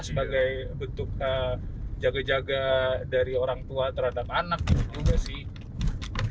sebagai bentuk jaga jaga dari orang tua terhadap anak juga sih